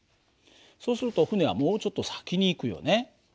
そうすると船はもうちょっと先に行くよね。